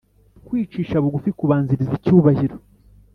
kwicisha bugufi kubanziriza icyubahiro